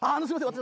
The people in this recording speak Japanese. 私